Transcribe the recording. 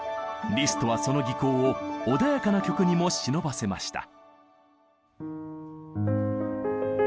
リストはその技巧を穏やかな曲にも忍ばせました。